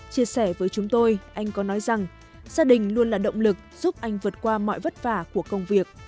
chia sẻ với chúng tôi anh có nói rằng gia đình luôn là động lực giúp anh vượt qua mọi vất vả của công việc